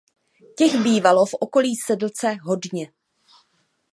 Těch bývalo v okolí Sedlce hodně.